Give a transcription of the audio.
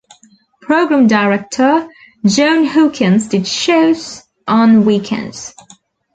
Program director John Hawkins did shows on weekends.